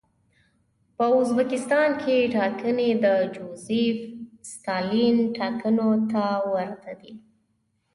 په ازبکستان کې ټاکنې د جوزېف ستالین ټاکنو ته ورته دي.